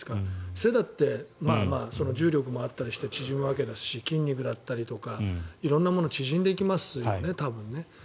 背だって重力もあったりして縮むわけだし筋肉とか色んなものが縮んでいきますよね。